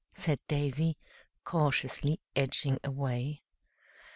said Davy, cautiously edging away.